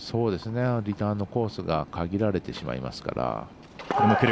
リターンのコースが限られてしまいますから。